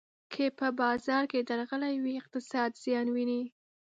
که په بازار کې درغلي وي، اقتصاد زیان ویني.